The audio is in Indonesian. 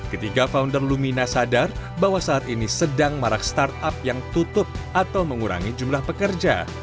ketiga founder lumina sadar bahwa saat ini sedang marak startup yang tutup atau mengurangi jumlah pekerja